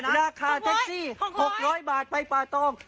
ราคาแท็กซี่๖๐๐บาทไปป่าตอง